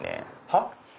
はっ？